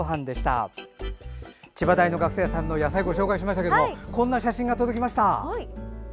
千葉大の学生さんの野菜ご紹介しましたがこんな写真が届きました。